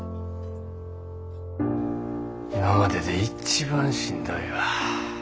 今までで一番しんどいわ。